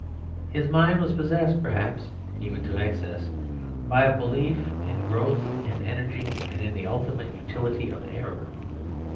His mind was possessed, perhaps even to excess, by a belief in growth and energy and in the ultimate utility of error.